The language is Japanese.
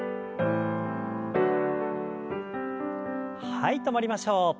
はい止まりましょう。